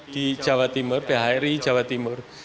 di jawa timur phri jawa timur